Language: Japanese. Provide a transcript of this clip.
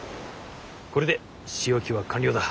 これで仕置きは完了だ。